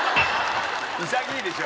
潔いでしょ。